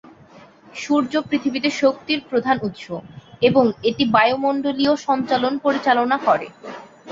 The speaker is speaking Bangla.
সূর্য পৃথিবীতে শক্তির প্রধান উৎস এবং এটি বায়ুমণ্ডলীয় সঞ্চালন পরিচালনা করে।